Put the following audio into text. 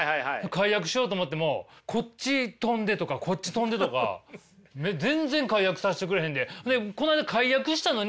解約しようと思ってもこっち飛んでとかこっち飛んでとか全然解約させてくれへんで。